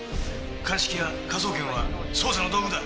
鑑識や科捜研は捜査の道具だ！